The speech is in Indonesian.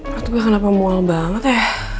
waktu gue kenapa mual banget ya